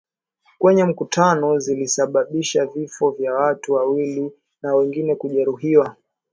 kwenye mkutano zilisababisha vifo vya watu wawili na wengine kujeruhiwa